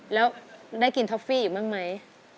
แล้วได้กินท็อฟฟี่อีกบ้างไหม